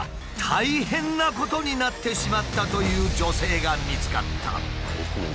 大変なことになってしまったという女性が見つかった。